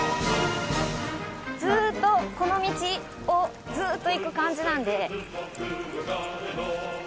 ずっとこの道をずっと行く感じなんで。